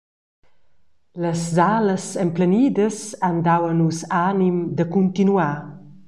«Las salas emplenidas han dau a nus anim da cuntinuar.